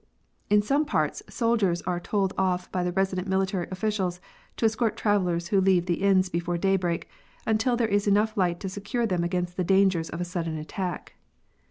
In some parts soldiers are told off by the resident military officials to escort travellers who leave the inns before daybreak, until there is enough light to secure them against the dangers of a sudden attack.